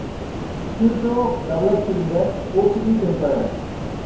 Queto developed in the Portuguese Empire.